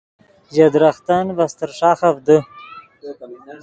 ژے درختن ڤے استر ݰاخف دے